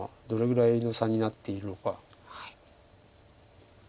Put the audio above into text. どれぐらいの差になっているのか。